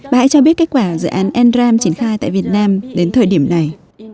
bà hãy cho biết kết quả dự án n ram triển khai tại việt nam đến thời điểm này